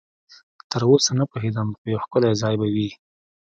تراوسه نه پوهېږم، خو یو ښکلی ځای به وي.